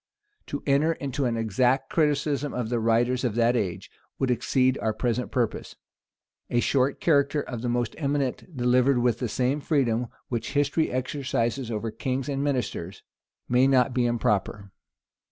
To enter into an exact criticism of the writers of that age, would exceed our present purpose. A short character of the most eminent, delivered with the same freedom which history exercises over kings and ministers, may not be improper.